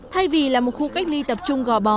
thay vì là một khu cách ly tập trung gọi